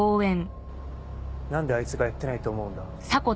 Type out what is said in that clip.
何であいつがやってないと思うんだ？